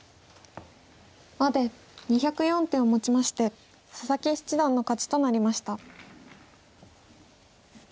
まで２０４手をもちまして佐々木七段の勝ちとなりました。